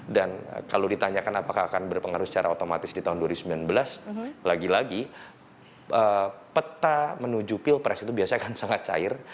dan kalau ditanyakan apakah akan berpengaruh secara otomatis di tahun dua ribu sembilan belas lagi lagi peta menuju pilpres itu biasanya akan sangat cair